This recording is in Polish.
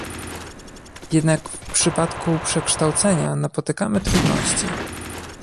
Jednak w przypadku przekształcenia napotykamy trudności